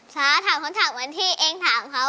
สาถามคนถามเหมือนที่เองถามเขาอ่ะ